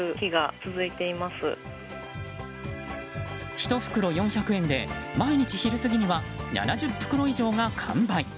１袋４００円で毎日昼過ぎには７０袋以上が完売。